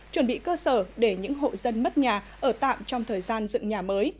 chuẩn bị cơ sở để những hộ dân mất nhà ở tạm trong thời gian dựng nhà mới